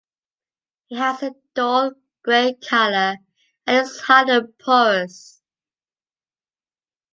He has a dull gray color and is hard and porous.